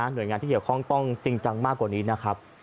โดยงานที่เกี่ยวข้องต้องจริงจังมากกว่านี้นะครับ